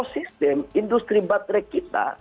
sistem industri baterai kita